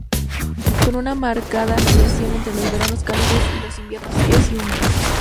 Con una marcada variación entre los veranos cálidos y los inviernos fríos y húmedos.